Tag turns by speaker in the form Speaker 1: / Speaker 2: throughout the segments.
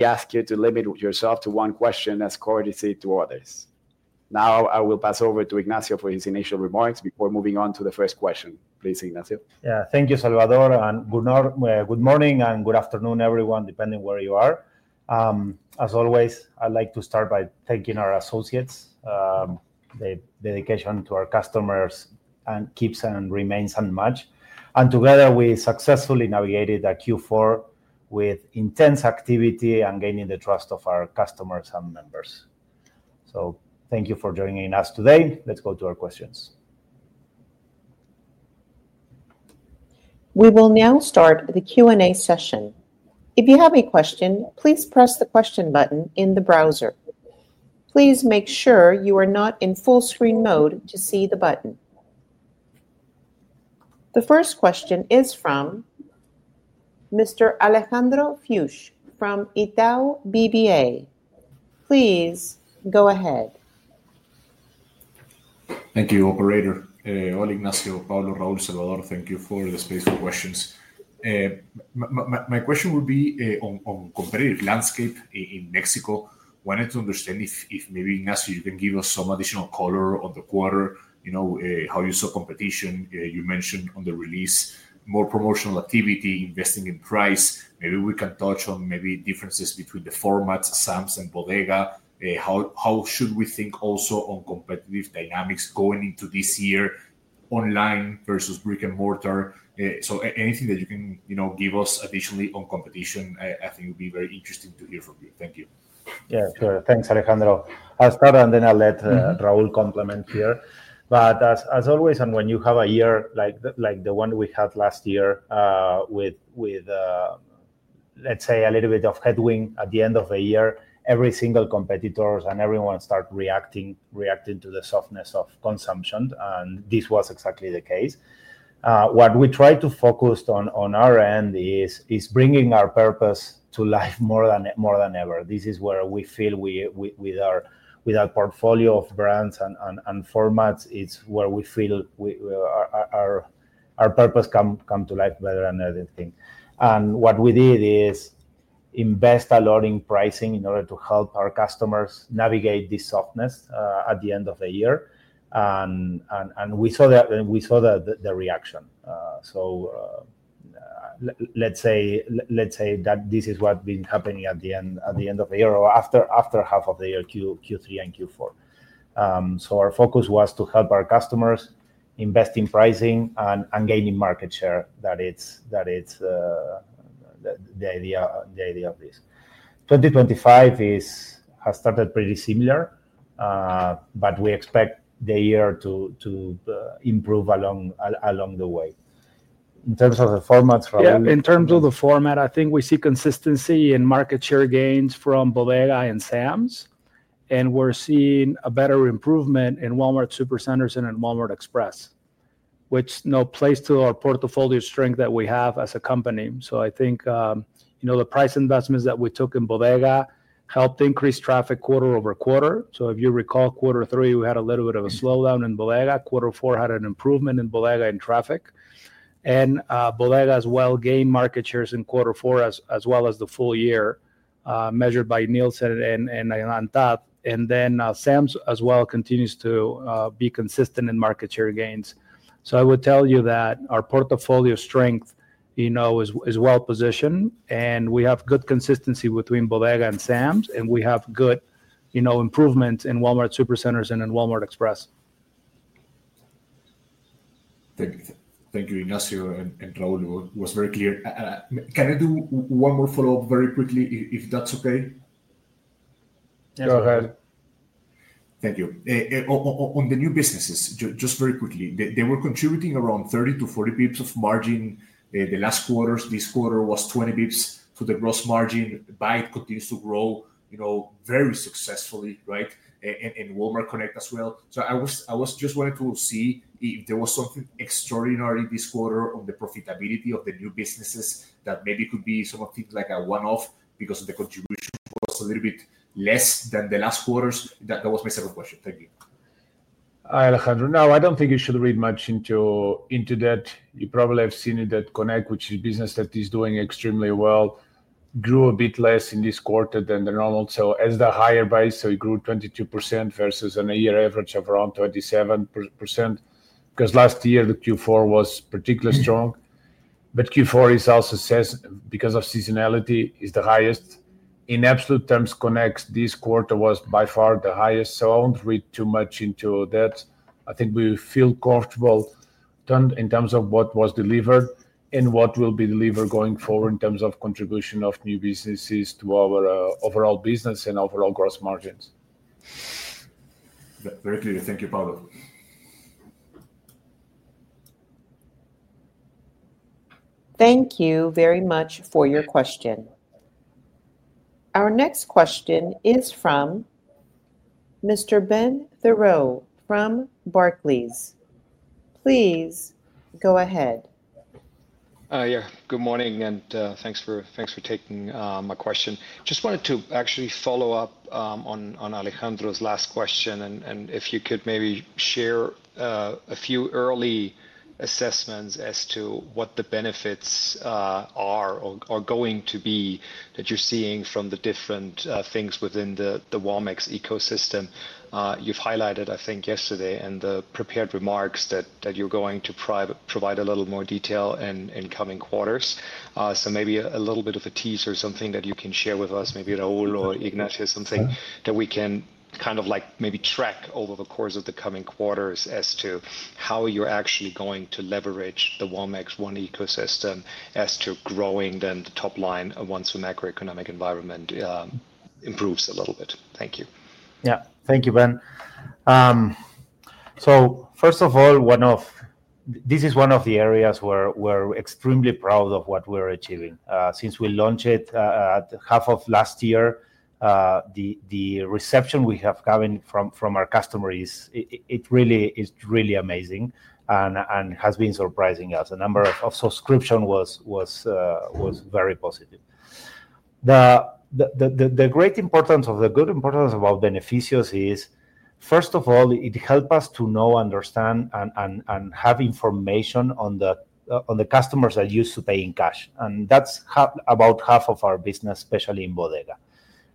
Speaker 1: We ask you to limit yourself to one question, as Corey said to others. Now I will pass over to Ignacio for his initial remarks before moving on to the first question. Please, Ignacio.
Speaker 2: Yeah, thank you, Salvador. And good morning and good afternoon, everyone, depending where you are. As always, I'd like to start by thanking our associates, the dedication to our customers, and keeps and remains unmatched. And together, we successfully navigated a Q4 with intense activity and gaining the trust of our customers and members. So thank you for joining us today. Let's go to our questions.
Speaker 3: We will now start the Q&A session. If you have a question, please press the question button in the browser. Please make sure you are not in full-screen mode to see the button. The first question is from Mr. Alejandro Fuchs from Itaú BBA. Please go ahead.
Speaker 4: Thank you, Operator. Hola, Ignacio, Paulo, Raúl, Salvador. Thank you for the space for questions. My question would be on competitive landscape in Mexico. Wanted to understand if maybe, Ignacio, you can give us some additional color on the quarter, how you saw competition. You mentioned on the release more promotional activity, investing in price. Maybe we can touch on maybe differences between the formats, Sam's and Bodega. How should we think also on competitive dynamics going into this year online versus brick and mortar? So anything that you can give us additionally on competition, I think it would be very interesting to hear from you. Thank you.
Speaker 2: Yeah, sure. Thanks, Alejandro. I'll start, and then I'll let Raúl complement here, but as always, and when you have a year like the one we had last year with, let's say, a little bit of headwind at the end of the year, every single competitor and everyone start reacting to the softness of consumption, and this was exactly the case. What we tried to focus on our end is bringing our purpose to life more than ever. This is where we feel with our portfolio of brands and formats, it's where we feel our purpose come to life better than anything, and what we did is invest a lot in pricing in order to help our customers navigate this softness at the end of the year, and we saw the reaction. So let's say that this is what's been happening at the end of the year or after half of the year, Q3 and Q4. So our focus was to help our customers invest in pricing and gaining market share. That is the idea of this. 2025 has started pretty similar, but we expect the year to improve along the way. In terms of the formats, Raúl.
Speaker 5: Yeah, in terms of the format, I think we see consistency in market share gains from Bodega and Sam's, and we're seeing a better improvement in Walmart Supercenters and in Walmart Express, which plays to our portfolio strength that we have as a company, so I think the price investments that we took in Bodega helped increase traffic quarter over quarter, so if you recall, quarter three, we had a little bit of a slowdown in Bodega. Quarter four had an improvement in Bodega in traffic, and Bodega as well gained market shares in quarter four as well as the full year measured by Nielsen and ANTAD, and then Sam's as well continues to be consistent in market share gains, so I would tell you that our portfolio strength is well positioned, and we have good consistency between Bodega and Sam's. We have good improvements in Walmart Supercenters and in Walmart Express.
Speaker 4: Thank you, Ignacio and Raúl. It was very clear. Can I do one more follow-up very quickly, if that's okay?
Speaker 2: Go ahead.
Speaker 4: Thank you. On the new businesses, just very quickly, they were contributing around 30-40 basis points of margin the last quarters. This quarter was 20 basis points. So the gross margin Bait continues to grow very successfully, right? And Walmart Connect as well. So I just wanted to see if there was something extraordinary this quarter on the profitability of the new businesses that maybe could be something like a one-off because of the contribution was a little bit less than the last quarters. That was my second question. Thank you.
Speaker 6: Hi, Alejandro. No, I don't think you should read much into that. You probably have seen that Connect, which is a business that is doing extremely well, grew a bit less in this quarter than the normal. So as the higher price, so it grew 22% versus an a year average of around 27%. Because last year, the Q4 was particularly strong. But Q4 is also, because of seasonality, is the highest. In absolute terms, Connect this quarter was by far the highest. So I won't read too much into that. I think we feel comfortable in terms of what was delivered and what will be delivered going forward in terms of contribution of new businesses to our overall business and overall gross margins.
Speaker 4: Very clear. Thank you, Paulo.
Speaker 3: Thank you very much for your question. Our next question is from Mr. Ben Theurer from Barclays. Please go ahead.
Speaker 7: Yeah, good morning, and thanks for taking my question. Just wanted to actually follow up on Alejandro's last question, and if you could maybe share a few early assessments as to what the benefits are or going to be that you're seeing from the different things within the Walmex ecosystem. You've highlighted, I think, yesterday in the prepared remarks that you're going to provide a little more detail in coming quarters, so maybe a little bit of a teaser or something that you can share with us, maybe Raúl or Ignacio, something that we can kind of maybe track over the course of the coming quarters as to how you're actually going to leverage the Walmex One ecosystem as to growing then the top line once the macroeconomic environment improves a little bit. Thank you.
Speaker 2: Yeah, thank you, Ben. So first of all, this is one of the areas where we're extremely proud of what we're achieving. Since we launched it half of last year, the reception we have gotten from our customers; it really is really amazing and has been surprising us. The number of subscriptions was very positive. The great importance of the good importance about Beneficios is, first of all, it helped us to know, understand, and have information on the customers that used to pay in cash. And that's about half of our business, especially in Bodega.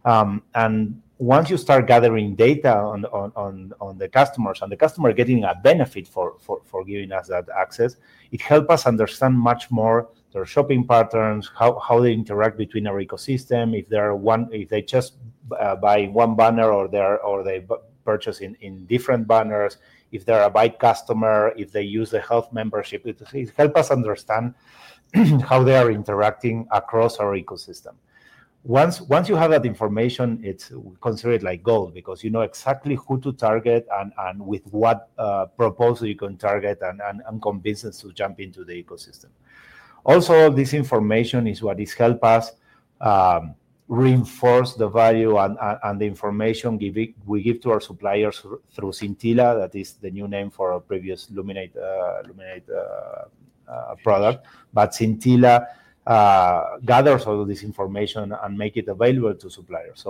Speaker 2: And once you start gathering data on the customers and the customer getting a benefit for giving us that access, it helped us understand much more their shopping patterns, how they interact between our ecosystem, if they just buy one banner or they purchase in different banners, if they're a buy customer, if they use the health membership. It helped us understand how they are interacting across our ecosystem. Once you have that information, it's considered like gold because you know exactly who to target and with what proposal you can target and convince them to jump into the ecosystem. Also, all this information is what has helped us reinforce the value and the information we give to our suppliers through Cintilla. That is the new name for our previous Luminate product. But Cintilla gathers all this information and makes it available to suppliers.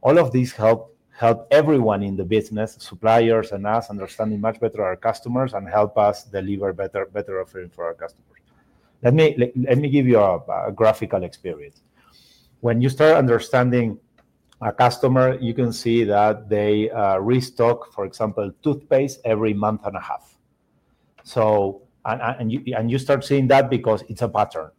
Speaker 2: All of these help everyone in the business, suppliers and us, understanding much better our customers and help us deliver better offerings for our customers. Let me give you a graphical experience. When you start understanding a customer, you can see that they restock, for example, toothpaste every month and a half. You start seeing that because it's a pattern.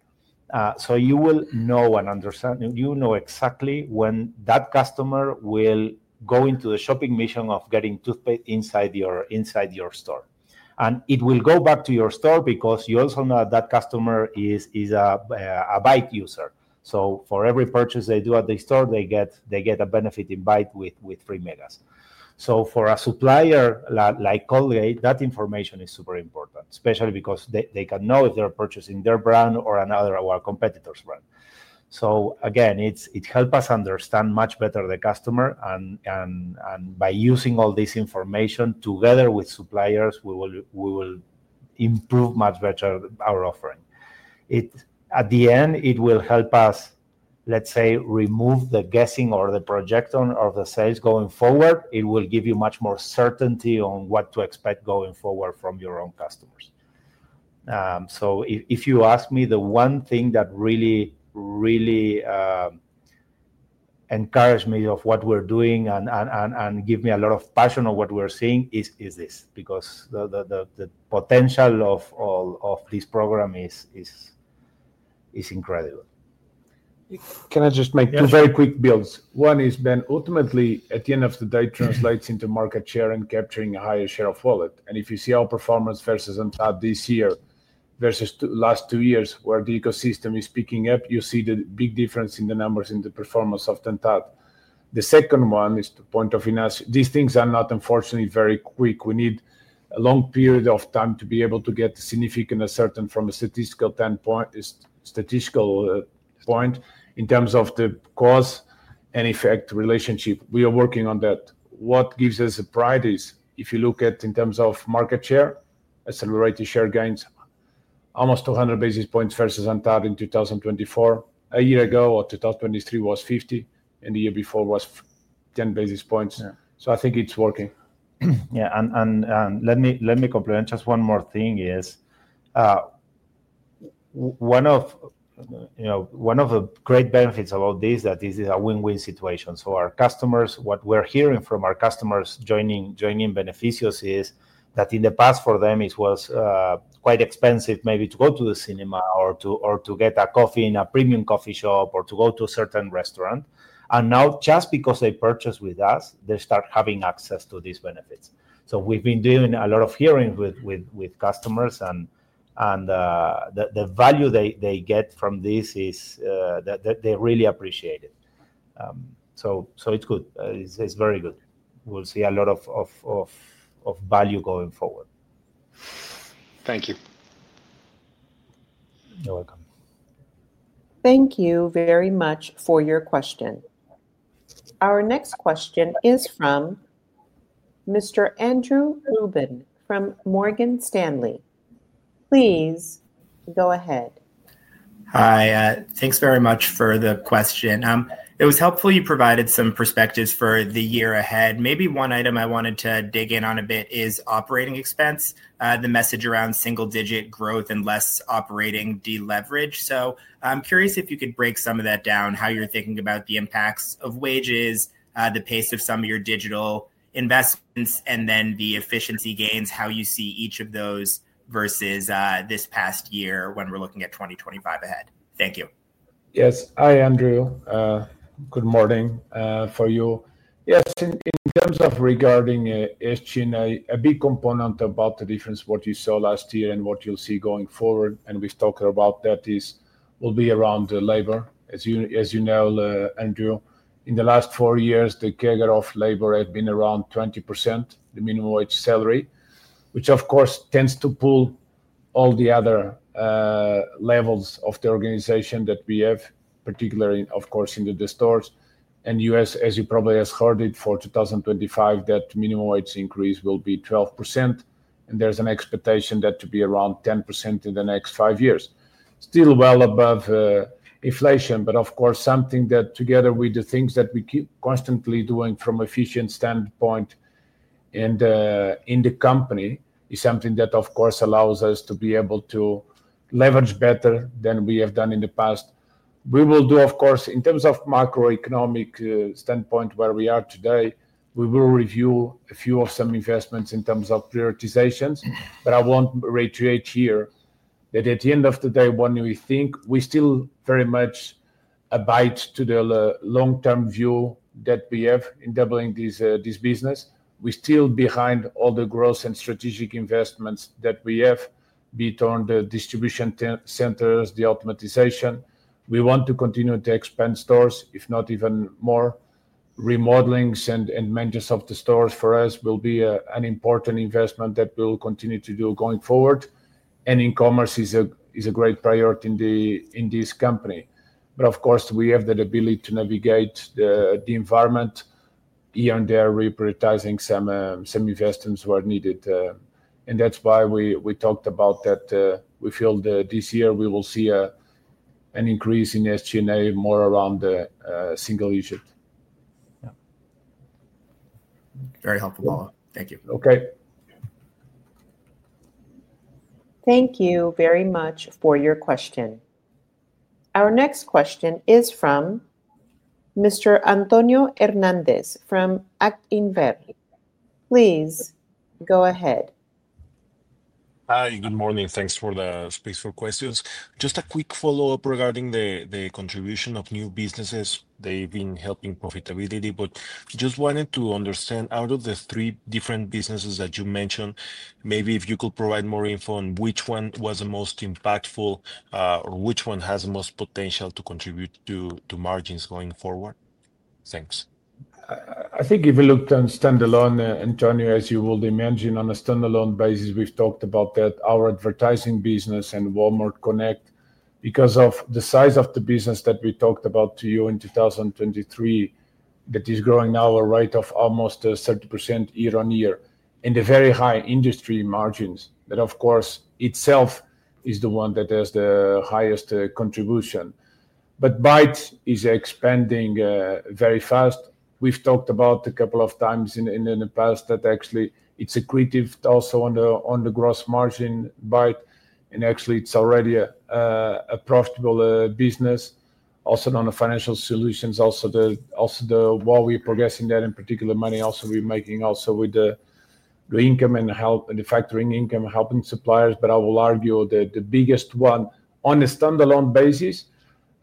Speaker 2: You will know and understand, you know exactly when that customer will go into the shopping mission of getting toothpaste inside your store. It will go back to your store because you also know that that customer is a Bait user. For every purchase they do at the store, they get a benefit in Bait with free Megas. For a supplier like Colgate, that information is super important, especially because they can know if they're purchasing their brand or another of our competitors' brand. So again, it helped us understand much better the customer. And by using all this information together with suppliers, we will improve much better our offering. At the end, it will help us, let's say, remove the guessing or the projection of the sales going forward. It will give you much more certainty on what to expect going forward from your own customers. So if you ask me, the one thing that really, really encouraged me of what we're doing and gave me a lot of passion of what we're seeing is this because the potential of this program is incredible. Can I just make two very quick points? One is, Ben, ultimately, at the end of the day, translates into market share and capturing a higher share of wallet. And if you see our performance versus ANTAD this year versus the last two years where the ecosystem is picking up, you see the big difference in the numbers in the performance of ANTAD. The second one is fintech. These things are not, unfortunately, very quick. We need a long period of time to be able to get significant traction from a statistical standpoint in terms of the cause and effect relationship. We are working on that. What gives us pride is if you look at in terms of market share, accelerated share gains, almost 200 basis points versus ANTAD in 2024. A year ago or 2023 was 50, and the year before was 10 basis points. So I think it's working. Yeah. And let me comment just one more thing is one of the great benefits about this that this is a win-win situation. So, our customers, what we're hearing from our customers joining Beneficios is that in the past, for them, it was quite expensive, maybe, to go to the cinema or to get a coffee in a premium coffee shop or to go to a certain restaurant. And now, just because they purchase with us, they start having access to these benefits. So, we've been doing a lot of hearings with customers. And the value they get from this is they really appreciate it. So, it's good. It's very good. We'll see a lot of value going forward.
Speaker 7: Thank you.
Speaker 2: You're welcome.
Speaker 3: Thank you very much for your question. Our next question is from Mr. Andrew Ruben from Morgan Stanley. Please go ahead.
Speaker 8: Hi. Thanks very much for the question. It was helpful you provided some perspectives for the year ahead. Maybe one item I wanted to dig in on a bit is operating expense, the message around single-digit growth and less operating deleverage. So I'm curious if you could break some of that down, how you're thinking about the impacts of wages, the pace of some of your digital investments, and then the efficiency gains, how you see each of those versus this past year when we're looking at 2025 ahead. Thank you.
Speaker 6: Yes. Hi, Andrew. Good morning for you. Yes, in terms of regarding SG&A, a big component about the difference, what you saw last year and what you'll see going forward, and we've talked about that, will be around the labor. As you know, Andrew, in the last four years, the CAGR of labor has been around 20%, the minimum wage salary, which, of course, tends to pull all the other levels of the organization that we have, particularly, of course, into the stores. And yes, as you probably have heard, for 2025, that minimum wage increase will be 12%. And there's an expectation that that'll be around 10% in the next five years. Still well above inflation, but of course, something that together with the things that we keep constantly doing from an efficiency standpoint in the company is something that, of course, allows us to be able to leverage better than we have done in the past. We will do, of course, in terms of macroeconomic standpoint where we are today, we will review a few of some investments in terms of prioritizations. But I want to reiterate here that at the end of the day, when we think we still very much abide by the long-term view that we have in doubling this business, we're still behind all the growth and strategic investments that we have beyond the distribution centers, the automation. We want to continue to expand stores, if not even more. Remodelings and maintenance of the stores for us will be an important investment that we'll continue to do going forward. And e-commerce is a great priority in this company. But of course, we have the ability to navigate the environment here and there, reprioritizing some investments where needed. And that's why we talked about that. We feel that this year we will see an increase in SG&A more around the single digit.
Speaker 8: Very helpful, Paulo. Thank you.
Speaker 2: Okay.
Speaker 3: Thank you very much for your question. Our next question is from Mr. Antonio Hernández from Actinver. Please go ahead.
Speaker 9: Hi, good morning. Thanks for taking questions. Just a quick follow-up regarding the contribution of new businesses. They've been helping profitability, but just wanted to understand out of the three different businesses that you mentioned, maybe if you could provide more info on which one was the most impactful or which one has the most potential to contribute to margins going forward. Thanks.
Speaker 2: I think if we look at standalone, Antonio, as you would imagine, on a standalone basis, we've talked about that, our advertising business and Walmart Connect, because of the size of the business that we talked about to you in 2023, that is growing at a rate of almost 30% year-on-year in the very high industry margins that, of course, itself is the one that has the highest contribution, but Bait is expanding very fast. We've talked about a couple of times in the past that actually it's accretive also on the gross margin, Bait. And actually, it's already a profitable business. Also on the financial solutions, also the wallet we're progressing that in particular money also we're making also with the income and the factoring income helping suppliers, but I will argue that the biggest one on a standalone basis,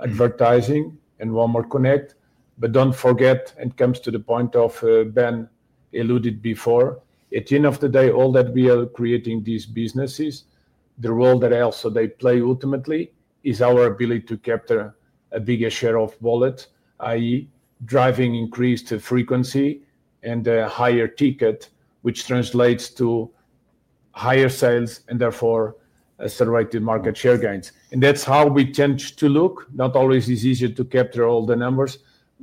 Speaker 2: advertising and Walmart Connect. But don't forget, it comes to the point of Ben alluded before. At the end of the day, all that we are creating these businesses, the role that also they play ultimately is our ability to capture a bigger share of wallet, i.e., driving increased frequency and a higher ticket, which translates to higher sales and therefore accelerated market share gains. That's how we tend to look. Not always it's easier to capture all the numbers.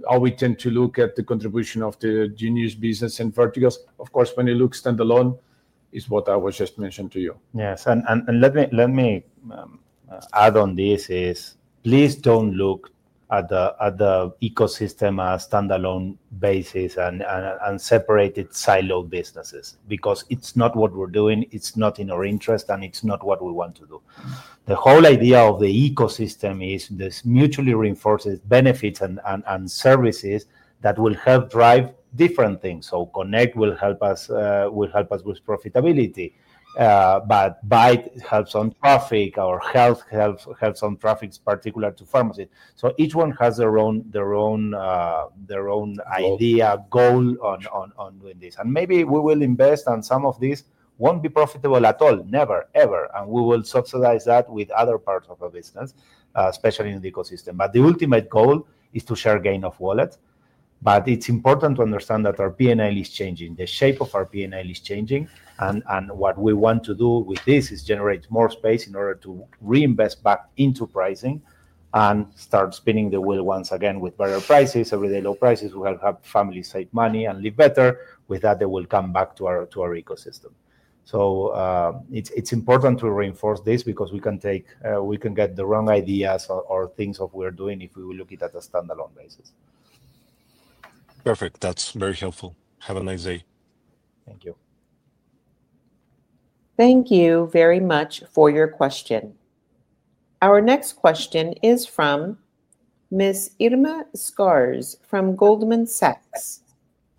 Speaker 2: How we tend to look at the contribution of the new businesses and verticals. Of course, when you look standalone is what I was just mentioned to you. Yes. And let me add on this is please don't look at the ecosystem as standalone basis and separated siloed businesses because it's not what we're doing. It's not in our interest, and it's not what we want to do. The whole idea of the ecosystem is this mutually reinforced benefits and services that will help drive different things. So Connect will help us with profitability. But Bait helps on traffic or health helps on traffic, particular to pharmacy. So each one has their own idea, goal on doing this. And maybe we will invest on some of these. It won't be profitable at all, never, ever. And we will subsidize that with other parts of our business, especially in the ecosystem. But the ultimate goal is to share gain of wallet. But it's important to understand that our P&L is changing. The shape of our P&L is changing. What we want to do with this is generate more space in order to reinvest back into pricing and start spinning the wheel once again with better prices, everyday low prices. We'll have families save money and live better. With that, they will come back to our ecosystem. It's important to reinforce this because we can get the wrong ideas or things about what we're doing if we look at it at a standalone basis.
Speaker 9: Perfect. That's very helpful. Have a nice day.
Speaker 2: Thank you.
Speaker 3: Thank you very much for your question. Our next question is from Ms. Irma Sgarz from Goldman Sachs.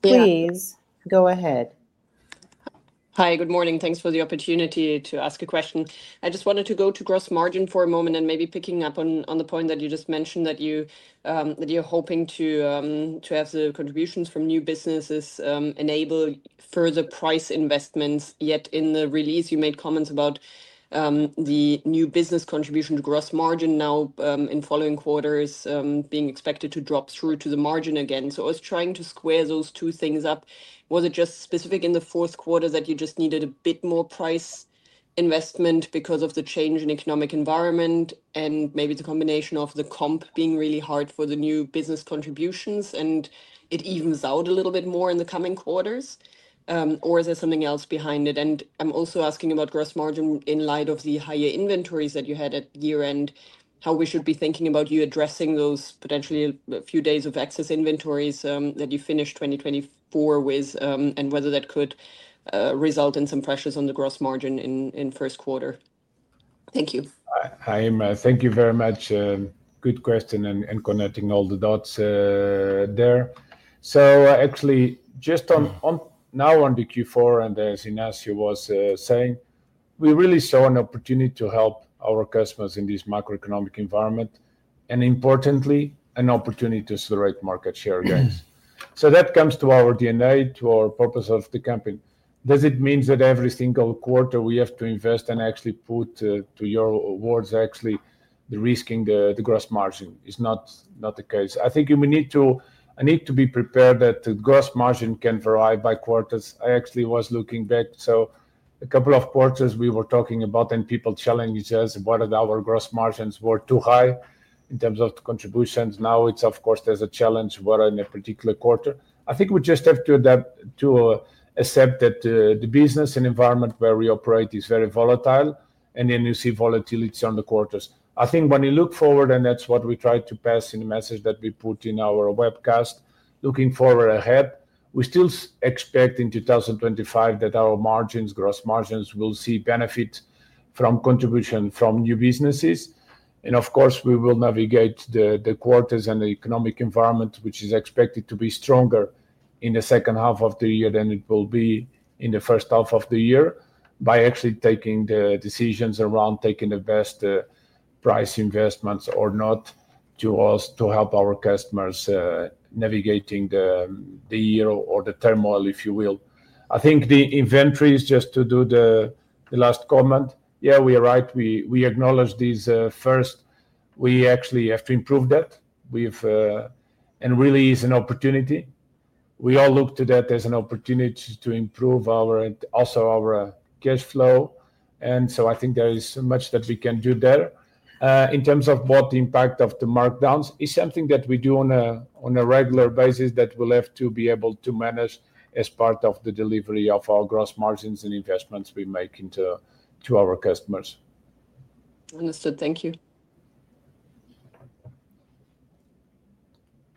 Speaker 3: Please go ahead.
Speaker 10: Hi, good morning. Thanks for the opportunity to ask a question. I just wanted to go to gross margin for a moment and maybe picking up on the point that you just mentioned that you're hoping to have the contributions from new businesses enable further price investments. Yet in the release, you made comments about the new business contribution to gross margin now in following quarters being expected to drop through to the margin again. So I was trying to square those two things up. Was it just specific in the fourth quarter that you just needed a bit more price investment because of the change in economic environment and maybe the combination of the comp being really hard for the new business contributions and it evens out a little bit more in the coming quarters? Or is there something else behind it? I'm also asking about gross margin in light of the higher inventories that you had at year-end, how we should be thinking about you addressing those potentially a few days of excess inventories that you finished 2024 with and whether that could result in some pressures on the gross margin in first quarter? Thank you.
Speaker 2: Hi, Irma. Thank you very much. Good question and connecting all the dots there. So actually, just now on the Q4 and as Ignacio was saying, we really saw an opportunity to help our customers in this macroeconomic environment and importantly, an opportunity to accelerate market share gains. So that comes to our DNA, to our purpose of the company. Does it mean that every single quarter we have to invest and actually put to your words actually the risking the gross margin? It's not the case. I think we need to be prepared that the gross margin can vary by quarters. I actually was looking back. So a couple of quarters we were talking about and people challenged us whether our gross margins were too high in terms of contributions. Now it's, of course, there's a challenge whether in a particular quarter. I think we just have to accept that the business and environment where we operate is very volatile, and then you see volatility on the quarters. I think when you look forward, and that's what we try to pass in the message that we put in our webcast, looking forward ahead, we still expect in 2025 that our margins, gross margins will see benefits from contribution from new businesses, and of course, we will navigate the quarters and the economic environment, which is expected to be stronger in the second half of the year than it will be in the first half of the year by actually taking the decisions around taking the best price investments or not to help our customers navigating the year or the turmoil, if you will. I think the inventory is just to do the last comment. Yeah, we are right. We acknowledge this first. We actually have improved that, and really, it's an opportunity. We all look to that as an opportunity to improve our cash flow also, and so I think there is much that we can do there. In terms of what the impact of the markdowns is, something that we do on a regular basis, that we'll have to be able to manage as part of the delivery of our gross margins and investments we make into our customers.
Speaker 10: Understood. Thank you.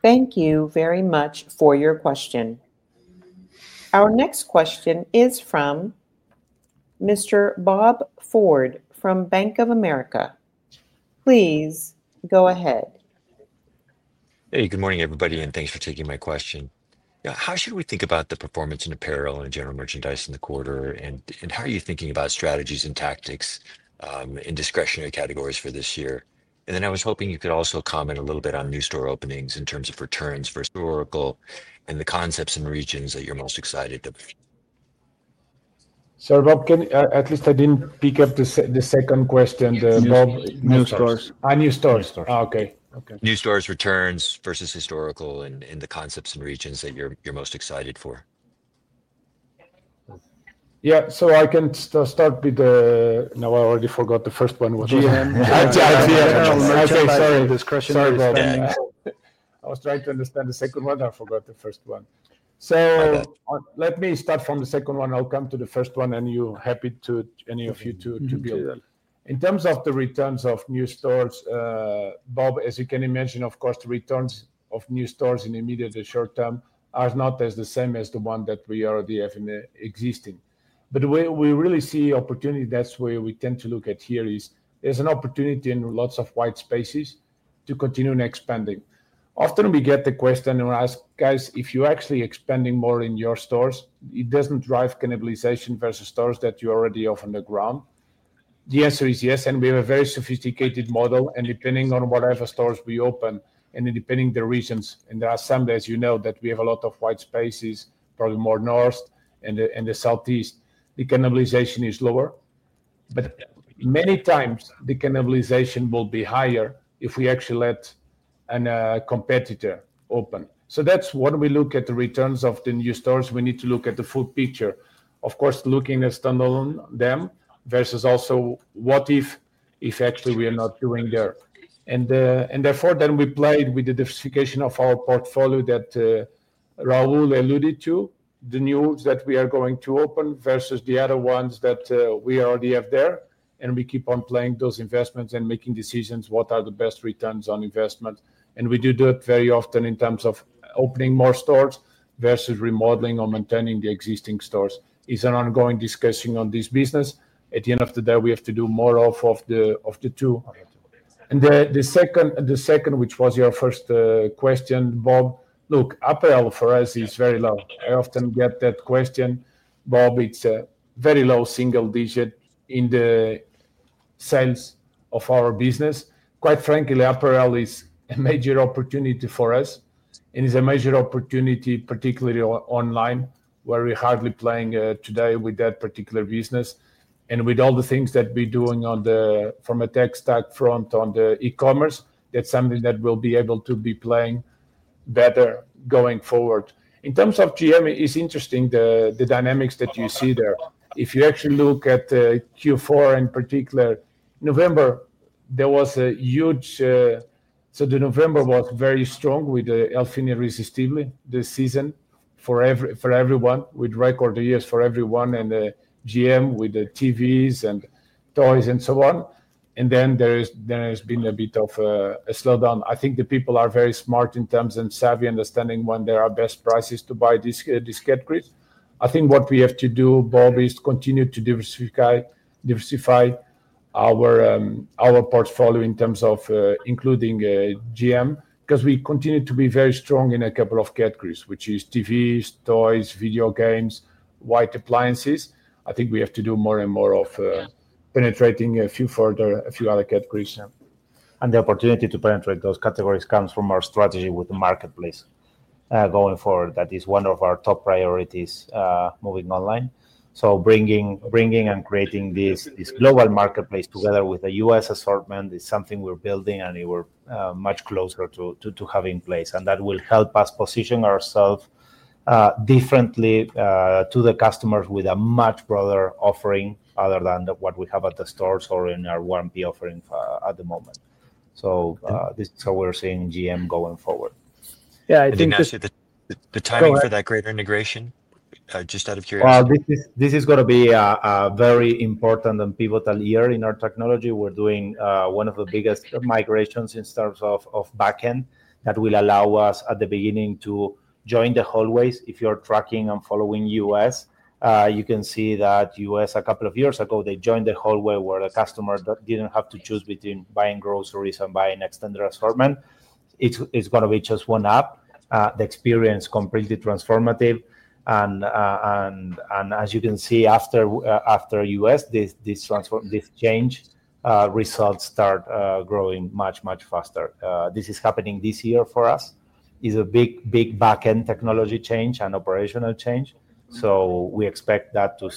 Speaker 3: Thank you very much for your question. Our next question is from Mr. Bob Ford from Bank of America. Please go ahead.
Speaker 11: Hey, good morning, everybody. And thanks for taking my question. How should we think about the performance in apparel and general merchandise in the quarter? And how are you thinking about strategies and tactics in discretionary categories for this year? And then I was hoping you could also comment a little bit on new store openings in terms of returns versus historical and the concepts and regions that you're most excited.
Speaker 2: Sorry, Bob, at least I didn't pick up the second question. Bob. New stores.
Speaker 11: New stores. New stores returns versus historical and the concepts and regions that you're most excited for.
Speaker 2: Yeah. So I can start with the now I already forgot the first one.
Speaker 11: Okay, sorry.
Speaker 2: Sorry about that. I was trying to understand the second one. I forgot the first one, so let me start from the second one. I'll come to the first one, and you're happy to any of you to build. In terms of the returns of new stores, Bob, as you can imagine, of course, the returns of new stores in the immediate and short term are not the same as the one that we already have in the existing, but we really see opportunity. That's where we tend to look at here. There's an opportunity in lots of white spaces to continue expanding. Often we get the question and we ask, guys, if you're actually expanding more in your stores, it doesn't drive cannibalization versus stores that you already have on the ground. The answer is yes, and we have a very sophisticated model. And depending on whatever stores we open and depending on the regions, and there are some, as you know, that we have a lot of white spaces, probably more north and the southeast, the cannibalization is lower. But many times the cannibalization will be higher if we actually let a competitor open. So that's when we look at the returns of the new stores, we need to look at the full picture. Of course, looking at standalone them versus also what if actually we are not doing there. And therefore then we played with the diversification of our portfolio that Raúl alluded to, the news that we are going to open versus the other ones that we already have there. And we keep on playing those investments and making decisions what are the best returns on investment. And we do that very often in terms of opening more stores versus remodeling or maintaining the existing stores. It's an ongoing discussion on this business. At the end of the day, we have to do more of the two. And the second, which was your first question, Bob, look, apparel for us is very low. I often get that question, Bob. It's a very low single digit in the sales of our business. Quite frankly, apparel is a major opportunity for us. And it's a major opportunity, particularly online, where we're hardly playing today with that particular business. And with all the things that we're doing from a tech stack front on the e-commerce, that's something that we'll be able to be playing better going forward. In terms of GM, it's interesting the dynamics that you see there. If you actually look at Q4 in particular, November, there was a huge so the November was very strong with the El Fin Irresistible, the season for everyone with record years for everyone and GM with the TVs and toys and so on, and then there has been a bit of a slowdown. I think the people are very smart in terms and savvy understanding when there are best prices to buy these categories. I think what we have to do, Bob, is continue to diversify our portfolio in terms of including GM because we continue to be very strong in a couple of categories, which is TVs, toys, video games, white appliances. I think we have to do more and more of penetrating a few further, a few other categories. The opportunity to penetrate those categories comes from our strategy with the marketplace going forward. That is one of our top priorities moving online. Bringing and creating this global marketplace together with the US assortment is something we're building and we're much closer to having in place. That will help us position ourselves differently to the customers with a much broader offering other than what we have at the stores or in our 1P offering at the moment.
Speaker 11: This is how we're seeing GM going forward. Yeah. Ignacio, the timing for that greater integration, just out of curiosity?
Speaker 2: This is going to be a very important and pivotal year in our technology. We're doing one of the biggest migrations in terms of backend that will allow us, at the beginning, to join the hallways. If you're tracking and following U.S., you can see that U.S. a couple of years ago, they joined the hallway where the customer didn't have to choose between buying groceries and buying extended assortment. It's going to be just one app. The experience is completely transformative, and as you can see after U.S. this change, results start growing much, much faster. This is happening this year for us. It's a big, big backend technology change and operational change, so we expect that to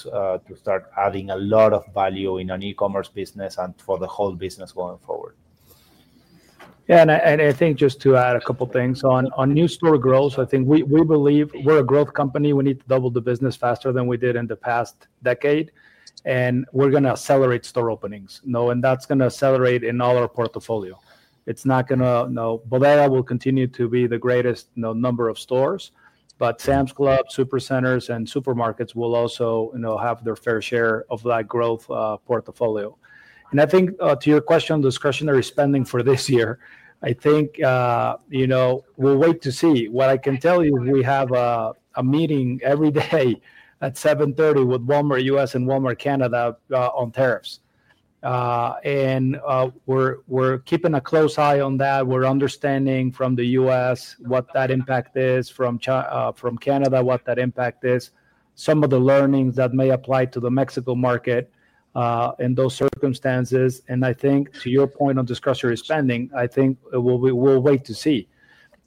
Speaker 2: start adding a lot of value in an e-commerce business and for the whole business going forward.
Speaker 5: Yeah. And I think just to add a couple of things on new store growth, I think we believe we're a growth company. We need to double the business faster than we did in the past decade. And we're going to accelerate store openings. And that's going to accelerate in all our portfolio. It's not going to Bodega Aurrera. Bodega Aurrera will continue to be the greatest number of stores, but Sam's Club, Supercenters, and supermarkets will also have their fair share of that growth portfolio. And I think to your question, discretionary spending for this year, I think we'll wait to see. What I can tell you, we have a meeting every day at 7:30 A.M. with Walmart U.S. and Walmart Canada on tariffs. And we're keeping a close eye on that. We're understanding from the U.S. what that impact is, from Canada, what that impact is, some of the learnings that may apply to the Mexico market in those circumstances. And I think to your point on discretionary spending, I think we'll wait to see.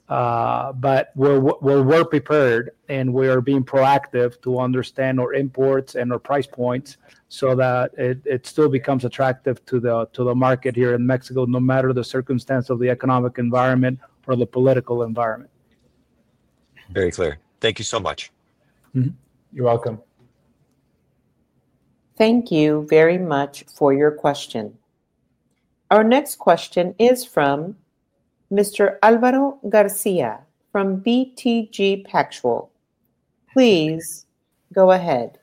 Speaker 5: But we're prepared and we are being proactive to understand our imports and our price points so that it still becomes attractive to the market here in Mexico, no matter the circumstance of the economic environment or the political environment.
Speaker 11: Very clear. Thank you so much.
Speaker 2: You're welcome.
Speaker 3: Thank you very much for your question. Our next question is from Mr. Álvaro García from BTG Pactual. Please go ahead.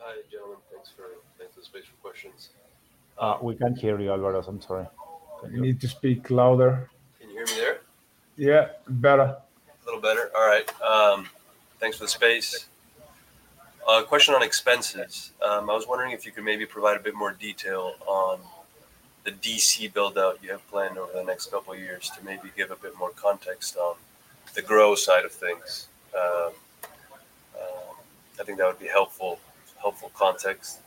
Speaker 12: Hi, gentlemen. Thanks for the space for questions.
Speaker 2: We can't hear you, Álvaro. I'm sorry.
Speaker 5: You need to speak louder.
Speaker 12: Can you hear me there?
Speaker 2: Yeah, better.
Speaker 12: A little better. All right. Thanks for the space. Question on expenses. I was wondering if you could maybe provide a bit more detail on the DC build-out you have planned over the next couple of years to maybe give a bit more context on the growth side of things. I think that would be helpful context.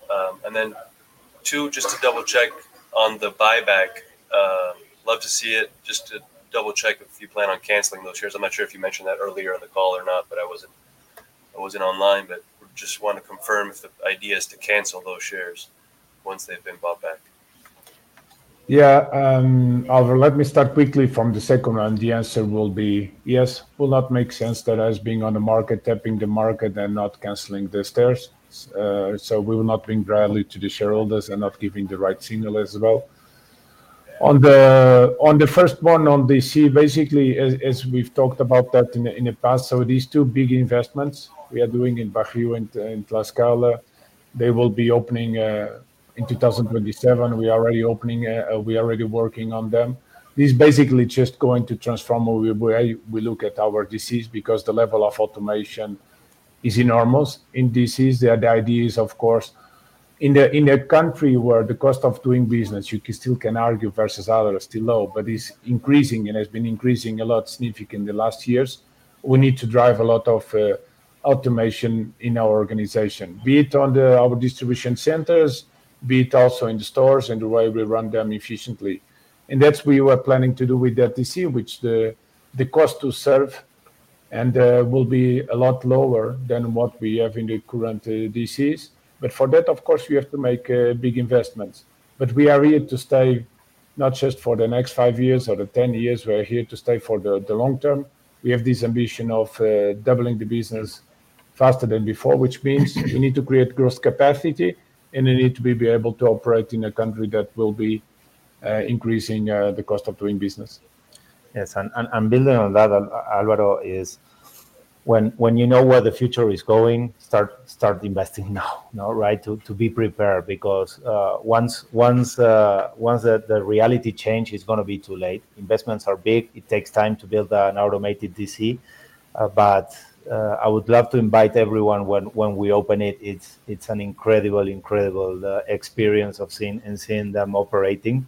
Speaker 12: And then two, just to double-check on the buyback, love to see it, just to double-check if you plan on canceling those shares. I'm not sure if you mentioned that earlier in the call or not, but I wasn't online. But just wanted to confirm if the idea is to cancel those shares once they've been bought back.
Speaker 2: Yeah. Álvaro, let me start quickly from the second one. The answer will be yes. It will not make sense that as being on the market, tapping the market and not canceling the shares. So we will not bring bad news to the shareholders and not giving the right signal as well. On the first one on DC, basically, as we've talked about that in the past, so these two big investments we are doing in Bajío and Tlaxcala, they will be opening in 2027. We are already opening. We are already working on them. This is basically just going to transform where we look at our DCs because the level of automation is enormous in DC. The idea is, of course, in a country where the cost of doing business, you still can argue versus others, still low, but it's increasing and has been increasing a lot significantly in the last years. We need to drive a lot of automation in our organization, be it on our distribution centers, be it also in the stores and the way we run them efficiently, and that's what we were planning to do with that DC, which the cost to serve will be a lot lower than what we have in the current DCs, but for that, of course, we have to make big investments, but we are here to stay not just for the next five years or the 10 years. We are here to stay for the long term. We have this ambition of doubling the business faster than before, which means we need to create growth capacity and we need to be able to operate in a country that will be increasing the cost of doing business.
Speaker 5: Yes. And building on that, Álvaro, is when you know where the future is going, start investing now, right, to be prepared because once the reality changes, it's going to be too late. Investments are big. It takes time to build an automated DC. But I would love to invite everyone when we open it. It's an incredible, incredible experience of seeing them operating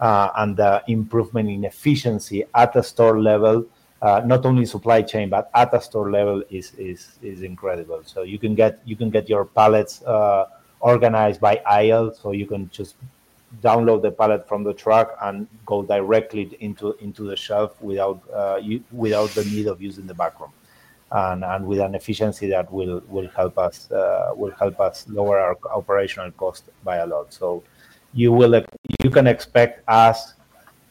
Speaker 5: and the improvement in efficiency at the store level, not only supply chain, but at the store level is incredible. So you can get your pallets organized by aisle. So you can just unload the pallet from the truck and go directly into the shelf without the need of using the backroom and with an efficiency that will help us lower our operational cost by a lot. So you can expect us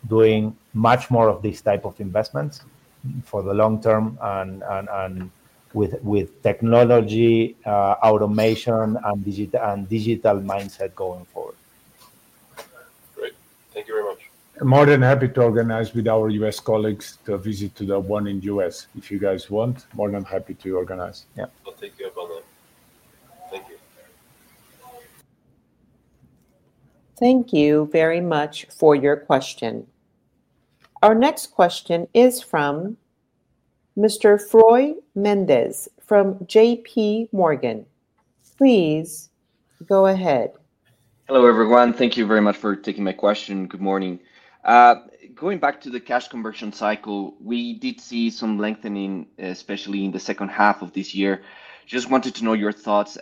Speaker 5: doing much more of these types of investments for the long term and with technology, automation, and digital mindset going forward.
Speaker 12: Great. Thank you very much.
Speaker 2: More than happy to organize with our U.S. colleagues the visit to the one in U.S. If you guys want, more than happy to organize.
Speaker 12: Yeah.
Speaker 2: Thank you, Álvaro.
Speaker 5: Thank you.
Speaker 3: Thank you very much for your question. Our next question is from Mr. Froylán Méndez from J.P. Morgan. Please go ahead.
Speaker 13: Hello, everyone. Thank you very much for taking my question. Good morning. Going back to the cash conversion cycle, we did see some lengthening, especially in the second half of this year. Just wanted to know your thoughts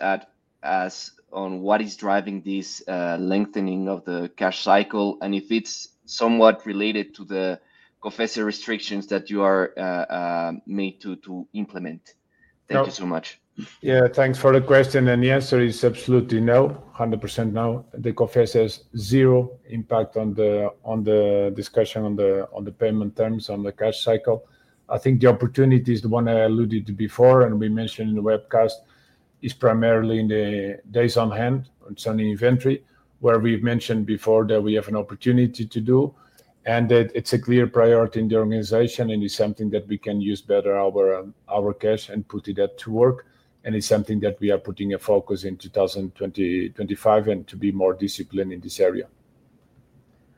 Speaker 13: on what is driving this lengthening of the cash cycle and if it's somewhat related to the COFECE restrictions that you are made to implement. Thank you so much.
Speaker 2: Yeah. Thanks for the question. And the answer is absolutely no, 100% no. The COFECE has zero impact on the discussion on the payment terms on the cash cycle. I think the opportunity is the one I alluded to before, and we mentioned in the webcast, is primarily in the days on hand, it's on the inventory, where we've mentioned before that we have an opportunity to do. And it's a clear priority in the organization, and it's something that we can use better our cash and put it at work. And it's something that we are putting a focus in 2025 and to be more disciplined in this area.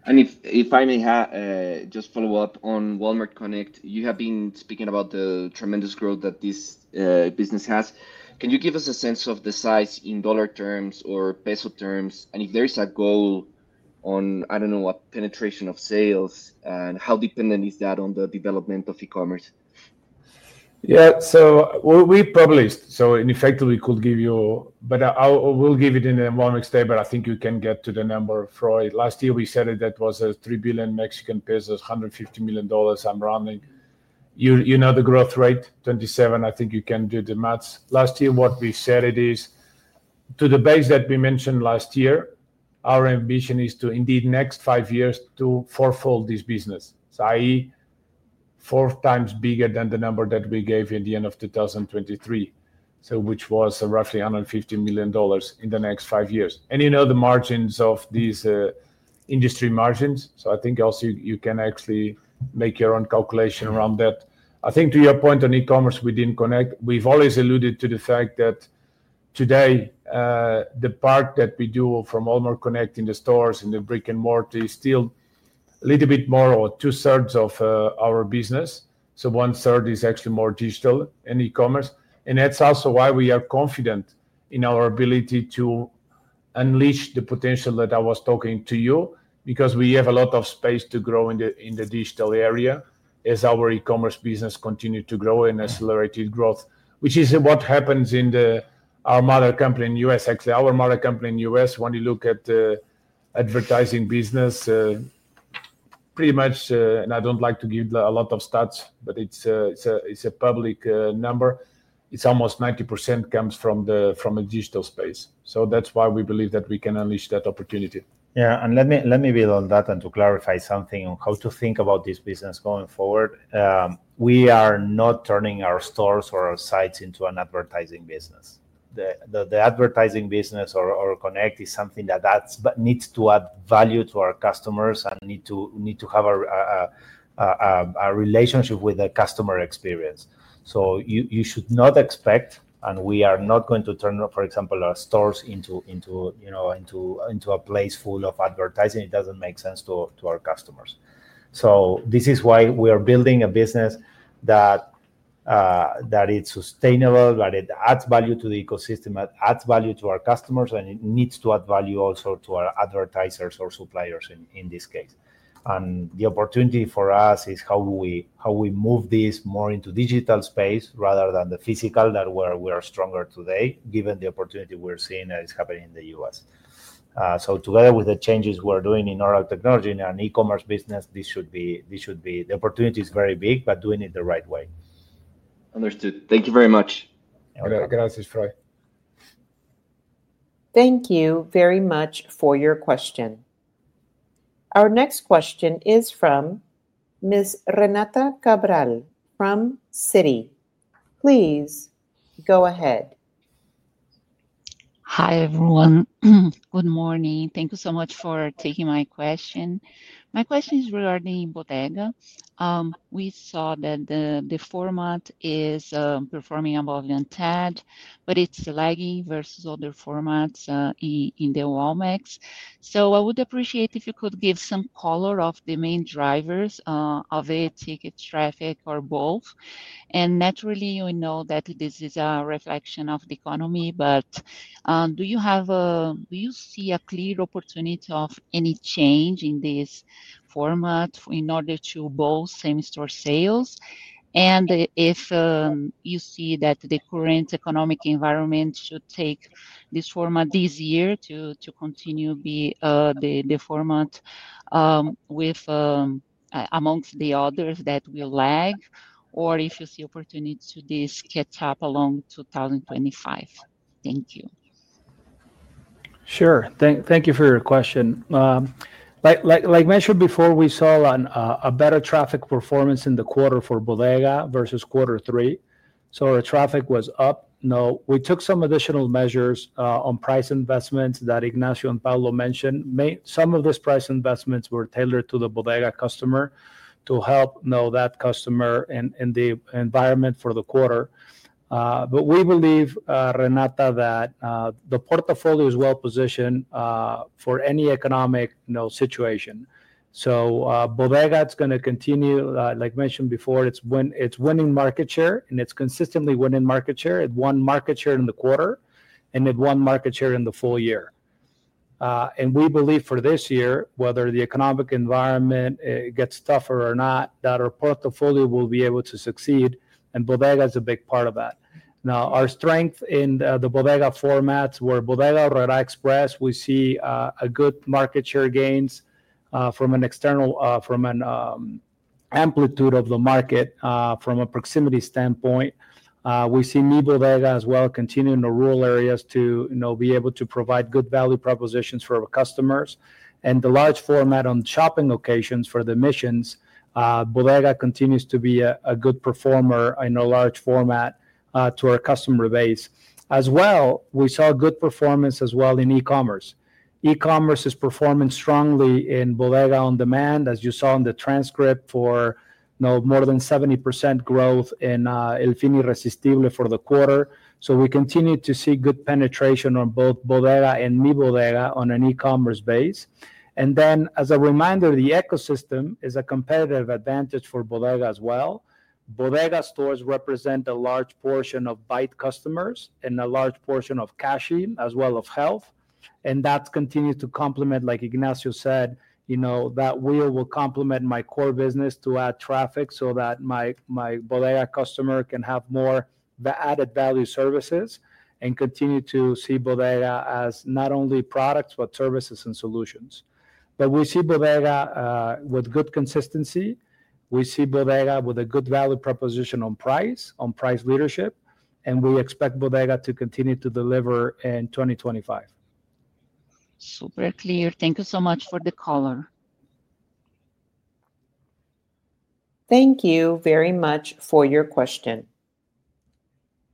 Speaker 13: And if I may just follow up on Walmart Connect, you have been speaking about the tremendous growth that this business has. Can you give us a sense of the size in dollar terms or peso terms? And if there is a goal on, I don't know, penetration of sales, and how dependent is that on the development of e-commerce?
Speaker 2: Yeah. So we published. So in effect, we could give you, but we'll give it in one week's date, but I think you can get to the number, Froy. Last year, we said that was 3 billion Mexican pesos, $150 million. I'm rounding. You know the growth rate, 27%. I think you can do the math. Last year, what we said is to the base that we mentioned last year, our ambition is to indeed next five years to fourfold this business, i.e., four times bigger than the number that we gave you at the end of 2023, which was roughly $150 million in the next five years. And you know the margins of these industry margins. So I think also you can actually make your own calculation around that. I think to your point on e-commerce within Connect, we've always alluded to the fact that today, the part that we do from Walmart Connect in the stores and the brick and mortar is still a little bit more or two-thirds of our business. So one-third is actually more digital and e-commerce. And that's also why we are confident in our ability to unleash the potential that I was talking to you because we have a lot of space to grow in the digital area as our e-commerce business continues to grow and accelerate its growth, which is what happens in our mother company in the U.S., actually, our mother company in the U.S. When you look at the advertising business, pretty much, and I don't like to give a lot of stats, but it's a public number. It's almost 90% comes from the digital space. So that's why we believe that we can unleash that opportunity.
Speaker 5: Yeah. Let me build on that and to clarify something on how to think about this business going forward. We are not turning our stores or our sites into an advertising business. The advertising business or Connect is something that needs to add value to our customers and need to have a relationship with the customer experience. So you should not expect, and we are not going to turn, for example, our stores into a place full of advertising. It doesn't make sense to our customers. So this is why we are building a business that is sustainable, that it adds value to the ecosystem, that adds value to our customers, and it needs to add value also to our advertisers or suppliers in this case. And the opportunity for us is how we move this more into digital space rather than the physical, where we are stronger today, given the opportunity we're seeing that is happening in the U.S. So together with the changes we're doing in our technology and our e-commerce business, this should be. The opportunity is very big, but doing it the right way.
Speaker 13: Understood. Thank you very much.
Speaker 2: Good answers, Froy.
Speaker 3: Thank you very much for your question. Our next question is from Ms. Renata Cabral from Citi. Please go ahead.
Speaker 14: Hi, everyone. Good morning. Thank you so much for taking my question. My question is regarding Bodega. We saw that the format is performing above the intent, but it's lagging versus other formats in the Walmarts. So I would appreciate if you could give some color of the main drivers of it, tickets, traffic, or both. And naturally, we know that this is a reflection of the economy, but do you see a clear opportunity of any change in this format in order to bolster store sales? And if you see that the current economic environment should take this format this year to continue to be the format amongst the others that will lag, or if you see opportunity to this catch-up along 2025? Thank you.
Speaker 5: Sure. Thank you for your question. Like mentioned before, we saw a better traffic performance in the quarter for Bodega versus quarter three. So our traffic was up. We took some additional measures on price investments that Ignacio and Paulo mentioned. Some of these price investments were tailored to the Bodega customer to help that customer in the environment for the quarter. But we believe, Renata, that the portfolio is well-positioned for any economic situation. So Bodega is going to continue, like mentioned before, it's winning market share, and it's consistently winning market share. It won market share in the quarter, and it won market share in the full year. And we believe for this year, whether the economic environment gets tougher or not, that our portfolio will be able to succeed, and Bodega is a big part of that. Now, our strength in the Bodega formats, where Bodega Aurrera Express, we see good market share gains from an amplitude of the market from a proximity standpoint. We see Mi Bodega as well continuing to rural areas to be able to provide good value propositions for our customers. And the large format on shopping locations for the masses, Bodega continues to be a good performer in a large format to our customer base. As well, we saw good performance as well in e-commerce. E-commerce is performing strongly in Bodega on Demand, as you saw in the transcript for more than 70% growth in El Fin Irresistible for the quarter. So we continue to see good penetration on both Bodega and Mi Bodega on an e-commerce base. And then, as a reminder, the ecosystem is a competitive advantage for Bodega as well. Bodega stores represent a large portion of Bait customers and a large portion of Cashi, as well as Health, and that continues to complement, like Ignacio said, that wheel will complement my core business to add traffic so that my Bodega customer can have more added value services and continue to see Bodega as not only products, but services and solutions, but we see Bodega with good consistency. We see Bodega with a good value proposition on price, on price leadership, and we expect Bodega to continue to deliver in 2025.
Speaker 14: Super clear. Thank you so much for the color.
Speaker 3: Thank you very much for your question.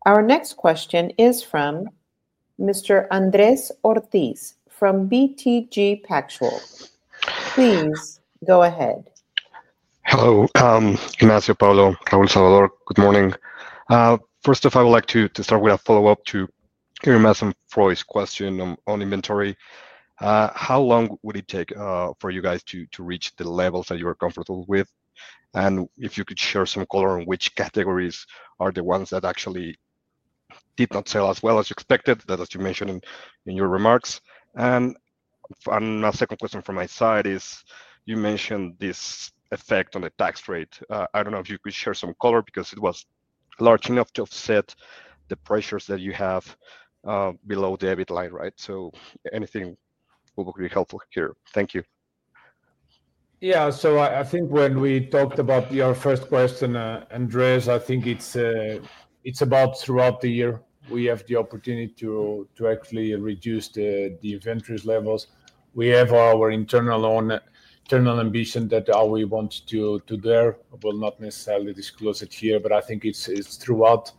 Speaker 3: Our next question is from Mr. Andrés Ortiz from BTG Pactual. Please go ahead.
Speaker 15: Hello. Ignacio, Paulo, Raúl, Salvador. Good morning. First off, I would like to start with a follow-up to your Mason Froy's question on inventory. How long would it take for you guys to reach the levels that you are comfortable with, and if you could share some color on which categories are the ones that actually did not sell as well as you expected, as you mentioned in your remarks, and a second question from my side is you mentioned this effect on the tax rate. I don't know if you could share some color because it was large enough to offset the pressures that you have below the EBIT line, right, so anything would be helpful here. Thank you.
Speaker 2: Yeah. So I think when we talked about your first question, Andrés, I think it's about throughout the year, we have the opportunity to actually reduce the inventory levels. We have our internal ambition that we want to do there. We'll not necessarily disclose it here, but I think it's throughout.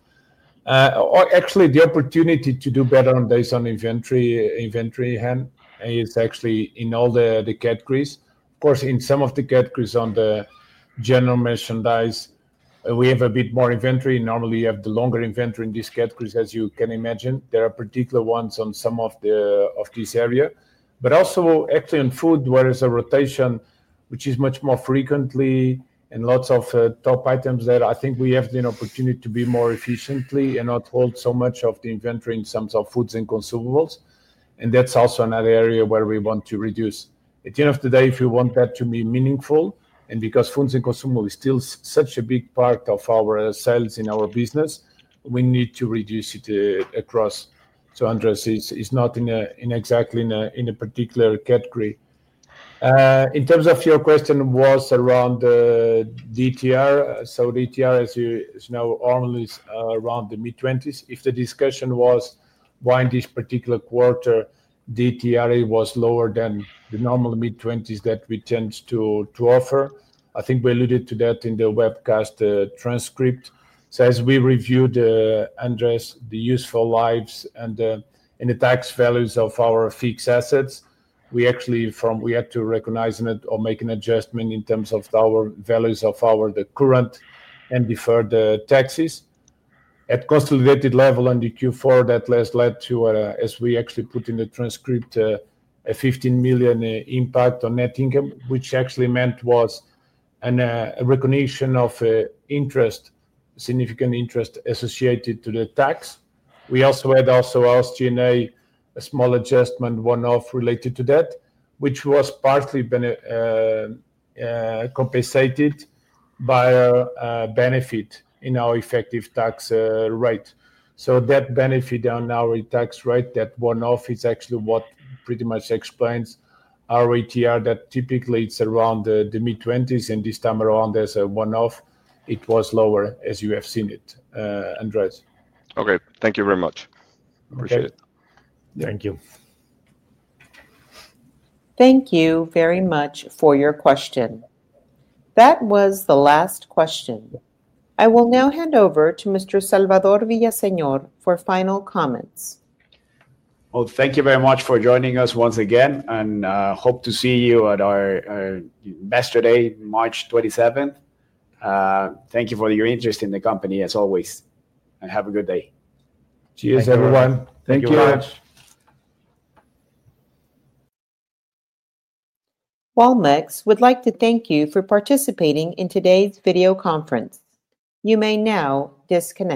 Speaker 2: Actually, the opportunity to do better on days on inventory hand is actually in all the categories. Of course, in some of the categories on the general merchandise, we have a bit more inventory. Normally, you have the longer inventory in these categories, as you can imagine. There are particular ones on some of this area. But also, actually, in food, where there's a rotation, which is much more frequently and lots of top items there, I think we have the opportunity to be more efficiently and not hold so much of the inventory in terms of foods and consumables. And that's also another area where we want to reduce. At the end of the day, if you want that to be meaningful, and because foods and consumables are still such a big part of our sales in our business, we need to reduce it across. So Andrés is not exactly in a particular category. In terms of your question, it was around ETR. So ETR, as you know, only around the mid-20s. If the discussion was why in this particular quarter ETR was lower than the normal mid-20s that we tend to offer, I think we alluded to that in the webcast transcript. So as we reviewed, Andrés, the useful lives and the tax values of our fixed assets, we actually had to recognize or make an adjustment in terms of our values of the current and deferred taxes. At consolidated level on the Q4, that has led to, as we actually put in the transcript, a 15 million impact on net income, which actually meant was a recognition of significant interest associated to the tax. We also had our G&A a small adjustment one-off related to that, which was partly compensated by a benefit in our effective tax rate. So that benefit on our tax rate, that one-off, is actually what pretty much explains our ETR that typically it's around the mid-20s, and this time around there's a one-off. It was lower, as you have seen it, Andrés.
Speaker 15: Okay. Thank you very much. Appreciate it.
Speaker 2: Thank you.
Speaker 3: Thank you very much for your question. That was the last question. I will now hand over to Mr. Salvador Villaseñor for final comments.
Speaker 1: Thank you very much for joining us once again, and hope to see you at our investor day March 27th. Thank you for your interest in the company, as always. Have a good day.
Speaker 2: Cheers, everyone. Thank you very much.
Speaker 3: Walmart. We'd like to thank you for participating in today's video conference. You may now disconnect.